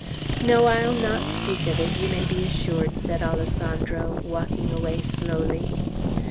"No, I'll not speak of it, you may be assured," said Alessandro, walking away slowly.